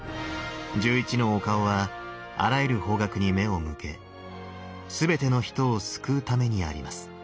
１１のお顔はあらゆる方角に目を向け全ての人を救うためにあります。